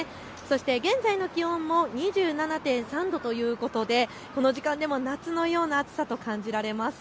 現在の気温も２７．３度ということでこの時間でも夏のような暑さと感じられます。